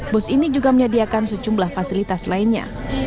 bus ini juga menyediakan sejumlah fasilitas lainnya